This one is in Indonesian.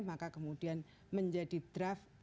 maka kemudian menjadi draft